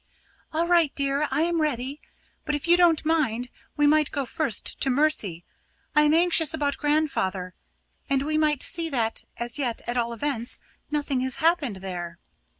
"All right, dear, I am ready. But, if you don't mind, we might go first to Mercy. I am anxious about grandfather, and we might see that as yet, at all events nothing has happened there."